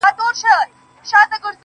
• سبا چي راسي د سبــا له دره ولــوېږي.